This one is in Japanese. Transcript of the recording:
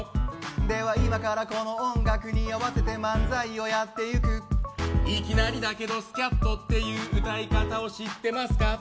では今からこの音楽に合わせて漫才をやっていくいきなりだけどスキャットっていう歌い方を知ってますか？